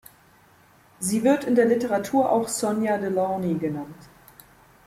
Sie wird in der Literatur auch Sonia Delaunay genannt.